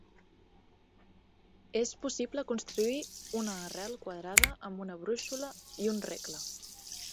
És possible construir una arrel quadrada amb una brúixola i un regle.